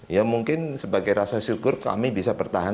ya mungkin sebagai rasa syukur kami bisa bertahan